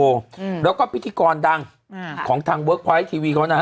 อืมแล้วก็พิธีกรดังอ่าของทางเวิร์คไวท์ทีวีเขานะฮะ